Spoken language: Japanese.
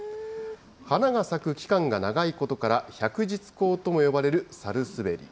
花が咲く期間が長いことから、百日紅とも呼ばれるサルスベリ。